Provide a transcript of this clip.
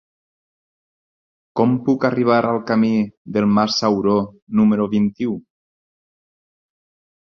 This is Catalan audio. Com puc arribar al camí del Mas Sauró número vint-i-u?